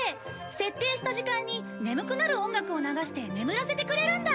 設定した時間に眠くなる音楽を流して眠らせてくれるんだ！